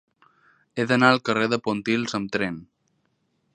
He d'anar al carrer de Pontils amb tren.